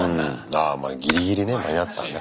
ああギリギリね間に合ったね